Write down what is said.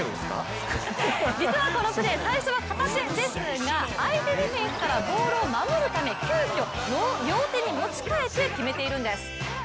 実はこのプレー、最初は片手ですが相手ディフェンスからボールを守るため急きょ、両手に持ち替えて決めているんです。